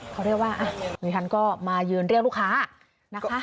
เขาเรียกว่าดิฉันก็มายืนเรียกลูกค้านะคะ